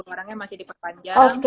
dua puluh orangnya masih diperpanjang